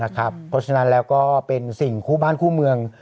เพราะฉะนั้นแล้วก็เป็นสิ่งคู่บ้านคู่เมือง